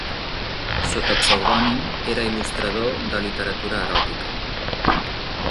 Sota pseudònim era il·lustrador de literatura eròtica.